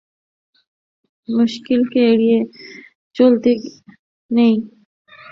মুশকিলকে এড়িয়ে চলতে গিয়ে হঠাৎ মুশকিলের মধ্যে পা ফেললেই বিপদ।